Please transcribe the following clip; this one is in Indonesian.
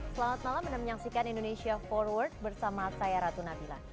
selamat malam anda menyaksikan indonesia forward bersama saya ratu nabila